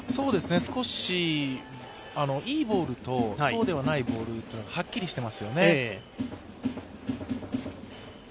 少しいいボールと、そうではないボールがはっきりしていますよね。